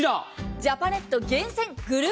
ジャパネット厳選グルメ